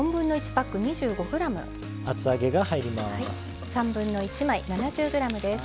厚揚げが入ります。